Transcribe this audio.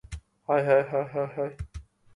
Lima beans have a mealy texture